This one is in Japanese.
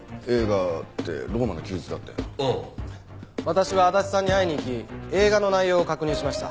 私は足立さんに会いに行き映画の内容を確認しました。